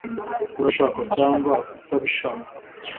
urabishaka cyangwa utabishaka